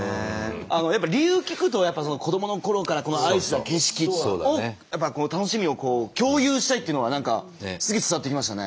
やっぱり理由聞くと子どものころからこの愛した景色を楽しみを共有したいっていうのは何かすげえ伝わってきましたね。